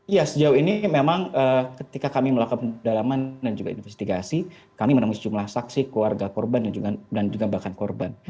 ya sejauh ini memang ketika kami melakukan pendalaman dan juga investigasi kami menemui sejumlah saksi keluarga korban dan juga bahkan korban